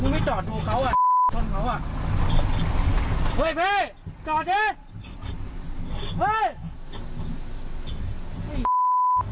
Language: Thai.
ไม่จอดดูเหรอเหรออะไรเหรอ